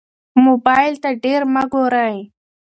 موبایل ته ډېر مه ګورئ.